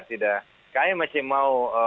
saya masih mau